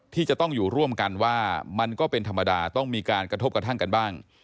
ที่จะต้องอยู่ร่วมกันว่ามันก็เป็นธรรมดาต้องมีการกระทบกระทั่งกันบ้าง